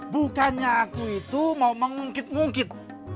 bukannya aku itu mau mengungkit ngungkit